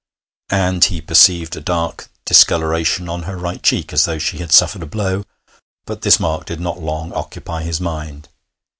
And he perceived a dark discoloration on her right cheek, as though she had suffered a blow, but this mark did not long occupy his mind.